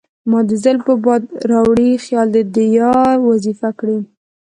مــــــا د زلفو باد راوړی خیــــــال د یار وظیفه کـــــړی